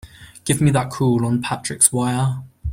Give me that call on Patrick's wire!